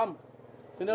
kom sini dulu